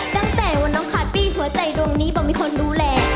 ดังแต่ว่าน้องขาดปี้หัวใจดวงนี้บ้างมีคนดูแล